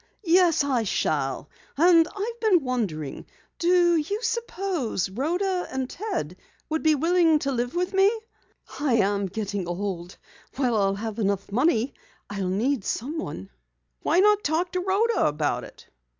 "Yes, I shall, and I've been wondering do you suppose Rhoda and Ted would be willing to live with me? I'm getting old. While I'll have money enough I'll need someone." "Why not talk to Rhoda about it?"